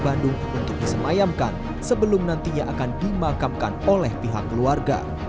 bandung untuk disemayamkan sebelum nantinya akan dimakamkan oleh pihak keluarga